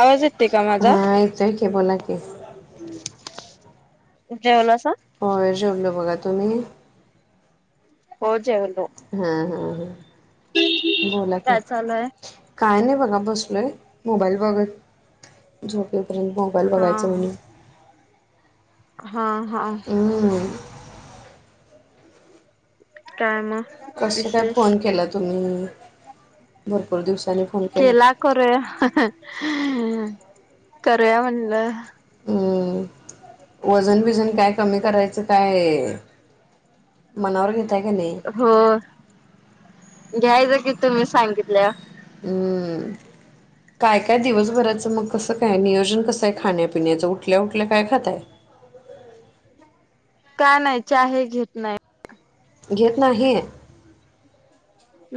आवाज येतोय का माझा? हा येतोय की बोला की जेवलासा? होय जेवलो बघा, तुम्ही? हो जेवलो. हां हां हां बोला की. काय चालूय? काय नाही बघा बसलोय, मोबाईल बघत झोपईलपर्यंत मोबाईल हा बघायच आणि हा हा. हम्म काय म. कस काय फोन केला तुम्ही? भरपूर दिवसानी केला करूया करूया म्हणलं. हम्म, वजन बिझन काय कमी करायचं काय मनवर घेताय का नाही? हो, घ्यायचा की तुम्ही सांगितल्या हम्. काय काय दिवसभराचं मग कसं काय नियोजन कसं आहे खाण्यापिण्याचं उठल्या उठल्या काय खाताय. का नाही चाहे घेत नाही. घेत नाही.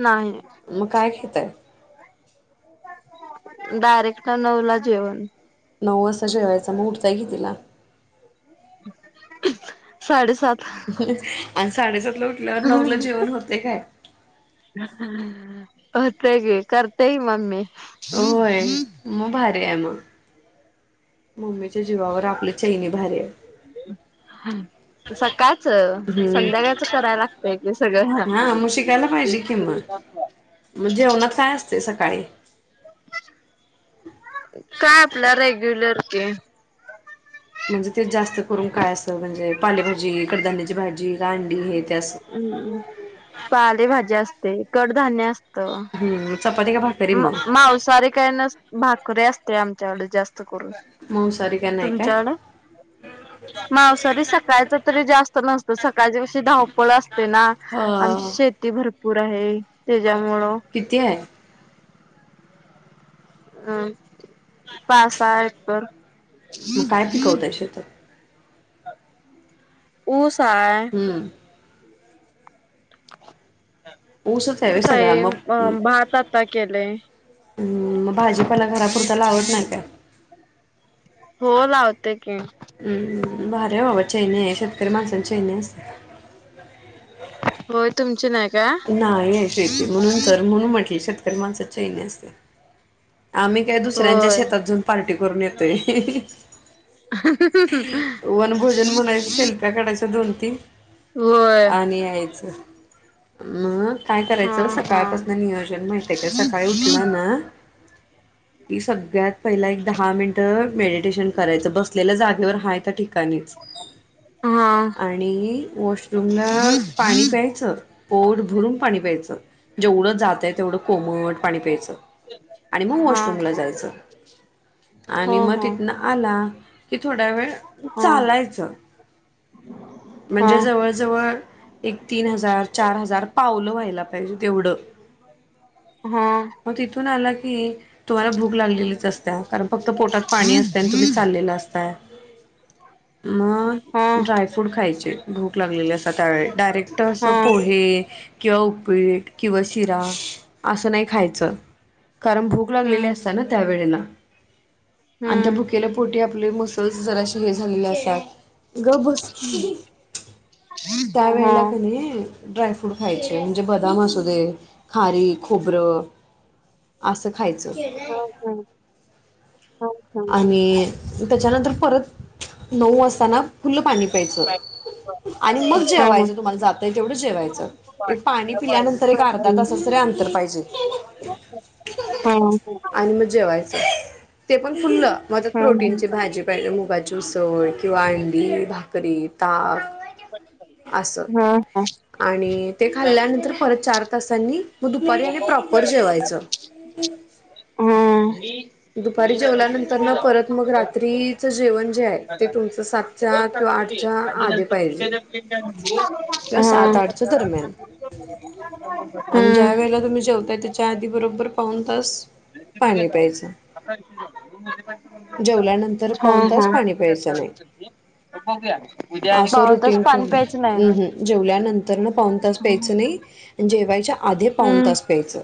नाही. मग काय खेताय. डायरेक्ट नऊला जेवण. नऊ वाजता जेवायच मग उठताय किती ला? साडे सात. आणि साडेसातला उठल्यावर नऊला जेवण होतय काय? होतंय गे करते मम्मी. होय म भारी आहे म. मम्मीच्या जीवावर आपली चैनी भारी आहे. [unintelligible] हा. सकाळचं हम्म संध्याकाळच कराय लागतय सगळं. हा मग म जेवणात काय असते सकाळी. काय आपला रेग्युलर की. म्हणजे ते जास्त करून काय असं म्हणजे पालेभाजी कडधान्याची भाजी राडी हे ते अस. हम्म पालेभाज्या असते, कडधान्य असतं हम, चपाती का भा म मांसाहारी काय नस भाकरीे असत्या आमच्याकड जास्त करून. मांसाहरी काय नाही काय? मांसाहरी सकाळच तरी जास्त नसतं. सकाळची कशी धावपळ असते ना. अ शेती भरपूर आहे त्याच्यामुळं. किती आहे? हम् पाच-सहा एकर. मग काय पिकवताय शेतात [unintelligible] ऊस हाय. हम्म. ऊसच व्हय ऊस सगळा आहे. अ मग भात आता केलय. हम, मग भाजीपाला घरापुरता लावत नाही काय? हो, लावते की. म भारी बाबा चेैनी आहे. शेतकरी माणसांची चैनी असत्या. होय. तुमची नाही का? नाही आहे शेती. म्हणून तर, म्हणून म्हटले शेतकरी माणसाची चैनी असत्या. आम्ही काय दुसऱ्यांच्या होय. शेतात जाऊन पार्टी करून येतोय. वनभोजन म्हणायच शेल्प्या काढायच्या दोन तीन होय आणि यायचं मग. काय हा करायचं. हा सकाळपासन नियोजन माहित आहे का सकाळी उठलं ना. की सगळ्यात पहिला एक दहा मिनिटं मेडिटेशन करायचं बसलेल्या जागेवर हाय त्या ठीक काय न्यायचं हा आणि वॉशरूमला पाणी प्यायचं. पोट भरून पाणी प्यायचं. जेवढं जातय तेवढं कोमट पाणी प्यायचं. आणि मग हा वॉशरूमला जायचं आणि हो मग हो. तिथन आला कि थोड्या वेळ हा चालायच. हा म्हणजे जवळ जवळ एक तीन हजार, चार हजार पावलं व्हायला पाहिजे तेवढं. हा. मग तिथून आला की तुम्हाला भूक लागलेलीच असत्या. कारण फक्त पोटात पाणी असते आणि तुम्ही चाललेलं असतय. मग, हा ड्रायफ्रूट खायचे. भूक लागलेले असत्या त्यावेळी. डायरेक्ट हा असं पोहे किंवा उपीट किंवा शिरा असं नाही खायचं. कारण भूक लागलेली हम्म असत्या ना त्यावेळेला, आणि त्या हम्म भुकेला पोटी आपले मसल्स जरा हे झालेले असतात. गप बस की, हा त्यावेेळेला कनी ड्रायफ्रूट खायचे म्हणजे बदाम असू दे खारी, खोबरं असं खायचं. हा हा हा. आणि त्याच्यानंतर परत नऊ वाजता ना. फुल्लं पाणी प्यायचं. आणि मग हा जेवायचं तुम्हाला जातय तेवढं जेवायचं. एक पाणी पिल्यानंतर एक हा अर्धा तासाच तरी अंतर पाहिजे. हम्म. ह. आणि [unintelligible] ते पण फुल्लं माझ्यात प्रोटीनची भाजी पाहिजे. मुगाची उसळ किंवा अंडी, भाकरी ताप अस हा आणि ते खाल्ल्यानंतर परत चार तसांनी मग दुपारी आणि प्रॉपर जेवायचं. दुपारी जेवल्यानंतर न परत मग रात्री चं जेवण जे आहे ते तुमचं सातच्या किंवा आठच्या आधी पाहिजे किंवा सात -आठच्या दरम्यान. आणि ज्या वेळेला तुम्ही जेवताय त्याच्या आधी बरोबर पाऊन तास पाणी प्यायचं. [unintelligible] जेवल्यानंतर पाऊन तास पाणी प्यायचं नाही. असं पाऊण तास रुटीन पाणी ठेवलं की प्यायचं - नाही. हम्म हम जेवल्यानंतरन पाऊण तास प्यायचं नाही. जेवायच्या आधी पाऊन हम्म तास प्यायचं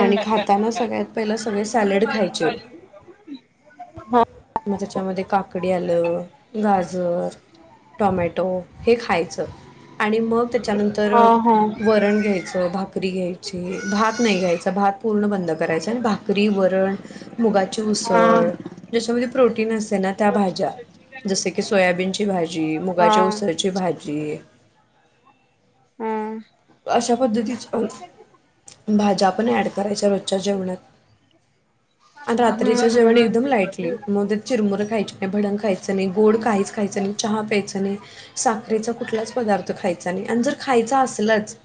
आणि खाताना सगळ्या पहिला [unintelligible] ती पण माझीच गाडी [unintelligible] म त्याच्यामध्ये काकडी आलं. गाजर टॉमॅटो हे खायचं. आणि मग त्याच्यानंतर - वरण घ्यायचं. भाकरी घ्यायची. भात नाही घ्यायच. भात पूर्ण बंद करायचं आणि भाक वरण, मुगाची उसळ ज्याच्यामध्ये प्रोटीन असते ना त्या भाज्या जस की सोयाबीन ची भाजी, मुगाच्या उसळ ची भाजी [inaudible] अशा पद्धतीची भाज्या आपण ऍड करायच्या रोजच्या जेवणात. आता रात्रीचं जेवण एकदम लाईटली. मग चिरमुरं खायची नाही. भडंग खायचं नाही. गोड काही खायचं नाही. चहा प्यायचं नाही. साखरेचा कुठलाच पदार्थ खायचा नाही आणि जर खायचा असलाच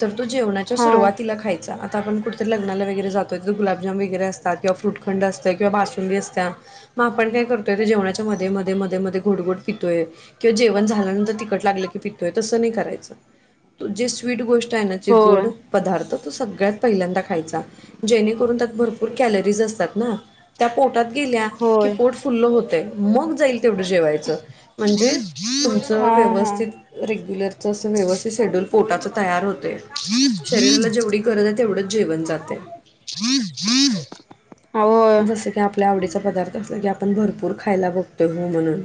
तर तो जेवणाच्या सुरुवातीला खायचा आता आपण कुठतरी लग्नाला वगैरे जातोय तर गुलाब- - जाम वगैरे असतात किंवा फ्रुटखंड असतं किंवा बासुंदी असत्या मग आपण काय करतोय ते जेणाच्या मध्ये - मध्ये - मध्ये - मध्ये गोड - गोड पितोय. किंवा जेवण झाल्यानंतर तिकट लागलं की पितोय तसं नाही करायचं. तो जी स्वीट गोष्ट आहे ना जे होय गोड पदार्थ तो सगळ्यात पहिल्यांदा खायचा जेणेकरून त्यात भरपूर कॅलरीज असतात ना? त्या पोटात गेल्या की होय पोट फुल्ल होतय. मग जाईल तेवढं जेवायचं म्हणजे तुमचं हां हां व्यवस्थित रेग्युलरचं असं व्यवस्थित सेड्यूल पोटाचं तयार होतय शरीराला जेवढी गरज आहे तेवढंच जेवण जातय. [inaudible] जसं की आपल्या आवडीचा पदार्थ असला की आपण भरपूर खायला बघतोय हु म्हणून.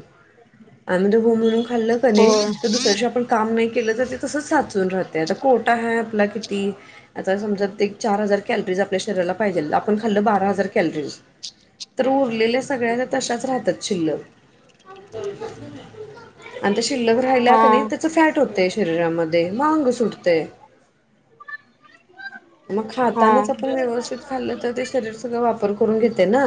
आन द हू मून खाल्ल क नाही होय होय तर दुसऱ्या दिवशी आपण काम नाही केलं तर ते तसच साचून राहतय. आता कोटा हाय आपला किती? आता समजा ते एक चार हजार कॅलरीज आपल्या शरीराला पाहिजे आपण खाल्लं बारा हजार कॅलरीज तर उरलेल्या सगळ्या त्या तशाच राहत्यात शिल्लक. [inaudible] आणि त्या शिल्लक राहिल्या क नाही हां त्याच फॅट होतय शरीरामध्ये म आंग सुटतय. मग हां खातानाच आपण व्यवस्थित खाल्लं तर ते शरीर सगळं वापर करून घेते ना?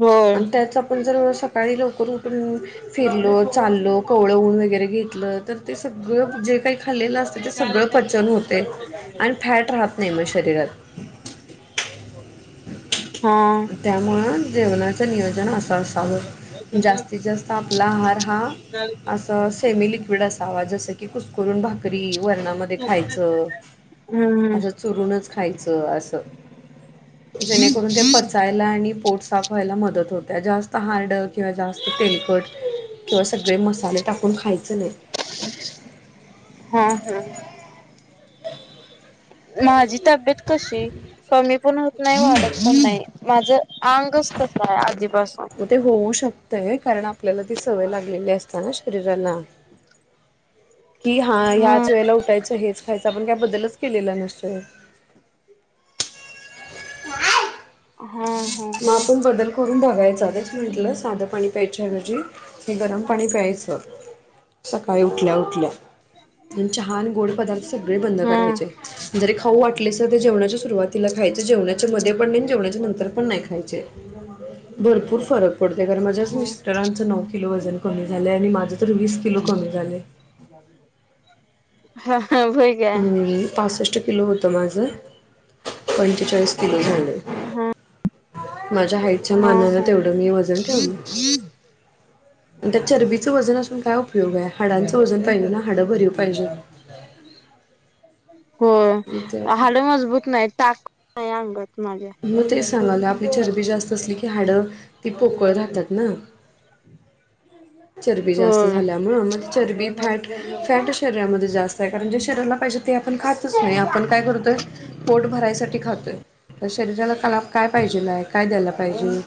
होय आणि त्याच आपण जर सकाळी लवकर उठून फिरलो चाललो कवळं ऊन वगैरे घेतलं तर ते सगळं जे काही खाल्लेलं अस तिथ सगळं पचन होतय आणि फॅट राहत नाही म शरीरात हा त्यामुळं जेवणाचं नियोजन असं असावं जास्तीत जास्त आपला आहार हा असं सेमी लिक्विड असावा जस कि की कुसकरून भाकरी वर्णामध्ये खायचं. हम्म असं चुरूनच खायचं असं जेणेकरून ते पचायला आणि पोट साफ व्हायला मदत होत जास्त हार्ड किंवा जास्त तेलकट किंवा सगळे मसाले टाकून खायच नाही हा हा माझी तब्येत कशी कमी पण होत नाही वाढत पण नाही माझ अंगच तस आहे आधीपासून म ते होऊ शकतय कारण आपल्याला ती सवय लागलेली असताना शरीराला कि हा हम्म ह्याच वेळेला उठायचं हेच खायचं आपण काय बद्दलच केलेलं नसतय. हा हा मग आपण बदल करून बघायचा तेच म्हंटलं साधं पाणी प्यायच्याऐवजी हे गरम पाणी प्यायचं. सकाळी उठल्या उठल्या आणि चहा गोड पदार्थ सगळे बंद हां करायचे जरी खाऊ वाटले सर ते जेवणाच्या सुरुवातीला खायचं जेवणाच्या मधे पण नाही जेवणाच्या नंतर पण नाही खायचे भरपूर फरक पडतय कारण माझ्याच मिस्टरांचं नव किलो वजन कमी झालय आणि माझं तर वीस किलो कमी झालय. [unintelligible] हा हा व्हय. हम्म पासष्ट किलो होतं माझं पंचेचाळीस किलो झालय. हा माझ्या हाईटच्या हा मानान हा तेवढं मी वजन ठेवलं. त्या चरबीचं वजन असून काय उपयोग हाय हाडांचं वजन पाहिजे ना हाडं भरीव पाहिजे. हो मग ते हाड मजबूत नाही ताकत नाही अंगात माझ्या मग ते सांगालोय आपली चरबी जास्त असली की हाडं ती पोकळ राहतात ना. [inaudible] चरबी जास्त होय झाल्यामूळ म ती चरबी फॅट फॅट शरीरामधे जास्त आहे कारण जे शरीराला पाहिजे ते आपण खातच नाही आपण काय करतोय पोट भरायसाठी खातोय. तर शरीराला कला काय पाहिजे नाही काय द्यायला पाहिजे.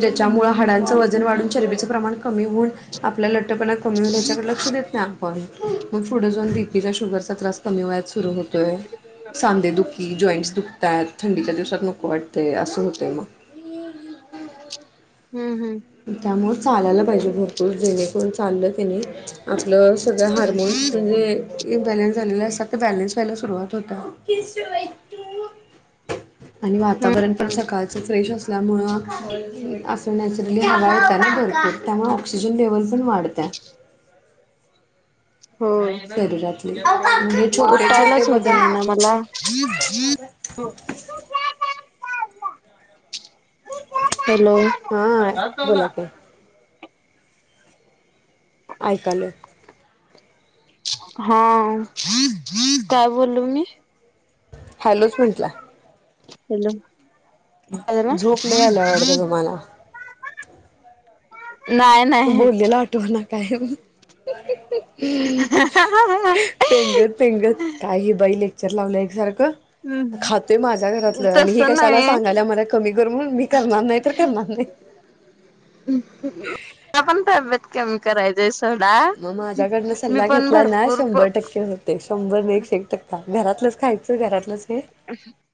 ज्याच्यामुळे हाडांचं वजन वाढून चरीबच प्रमाण कमी होऊन आपला लट्ठपणा कमी होईल याच्याकडे लक्ष देत नाही आपण मग पुढ जाऊन बीपीचा शुगरचा त्रास कमी वयात सुरू होतो. सांधे दुखी जॉईंट्स दुखतात थंडीच्या दिवसात नको वाटते असं होतय मग हम्म हम् त्यामुळं चालायला पाहिजे भरपूर जेणेकरून चाललं की नई आपलं सगळ हार्मोन्स म्हणजे इनबॅलेन्स झालेले असतात तर बॅलेन्स व्हायला सुरुवात होतात. आणि हम्म वातावरण पण सकाळच फ्रेश असल्यामुळं आस तिथली हवा येत्या ना भरपूर त्यामुळ ऑक्सिजन लेवल पण वाढतं. हो शरीरातली म्हणजे छोटे छोटे उठायलाच होत बदल नाही ना मला [unintelligible] हॅलो हा बोला की आयकालोय. हा काय बोललू मी. हॅलोच म्हंटला. ल झोप लई आल्या वाटतं [unintelligible] तुम्हाला नाही नाही बोललेला आठव ना काय? हम्म पेंगत पेंगत काय ही बाई लेक्चर लावलं एकसारखं खातोय माझ्या घरातलं आणि तस ही कशाला नाही सांगायला मला कमी कर म्हणून मी करणार नाही तर करणार नाही. ण तर [unintelligible] कमी करायचे सोडा मग माझ्याकडनं मी पण भरपूर ते शंभर न एकशे एक टक्का घरातलंच खायचं घरातलंच हे अच् [unintelligible]